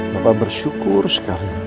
bapak bersyukur sekali